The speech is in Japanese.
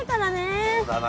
そうだな。